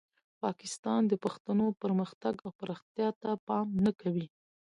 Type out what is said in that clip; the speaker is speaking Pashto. پاکستان د پښتنو پرمختګ او پرمختیا ته پام نه کوي.